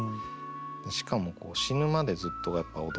しかも「死ぬまでずっと」がやっぱ驚きがあって。